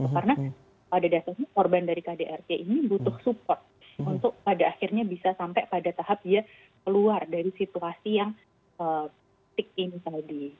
karena pada dasarnya korban dari kdrk ini butuh support untuk pada akhirnya bisa sampai pada tahap dia keluar dari situasi yang stick in tadi